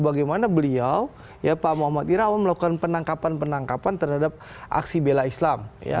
bagaimana beliau ya pak muhammad irawan melakukan penangkapan penangkapan terhadap aksi bela islam